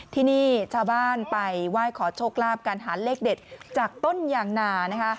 ที่นี่ชาวบ้านไปไหว้ขอโชคลาภการหาเลขเด็ดจากต้นยางนานะคะ